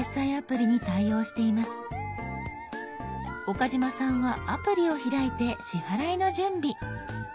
岡嶋さんはアプリを開いて支払いの準備。